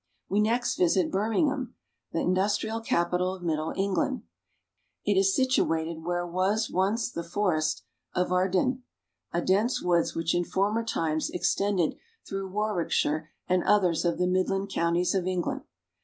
We next visit Birmingham, the industrial capital of middle England. It is situated where was once the forest of Arden, a dense woods which in former times extended through Warwickshire and others of the Midland Counties of England.